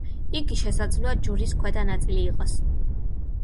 იგი შესაძლოა ჯვრის ქვედა ნაწილი იყოს.